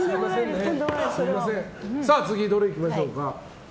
次、どれいきましょうか。